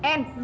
oke you masuk